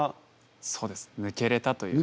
そうです抜けれたというか。